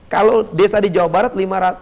kalau desa di jawa barat